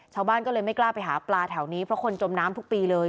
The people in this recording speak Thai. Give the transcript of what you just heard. ชาวบ้านก็เลยไม่กล้าไปหาปลาแถวนี้เพราะคนจมน้ำทุกปีเลย